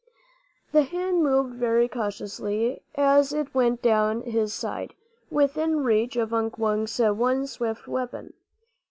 The hand moved very cautiously as it went down his side, within reach of Unk Wunk's one swift weapon.